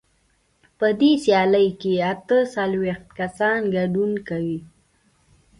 په دې سیالۍ کې اته څلوېښت کسان ګډون کوي.